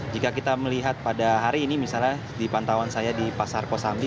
jika kita melihat pada hari ini misalnya di pantauan saya di pasar kosambi